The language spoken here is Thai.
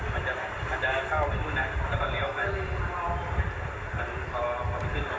มันจะมันจะอาจจะเข้าไปตรงนั้น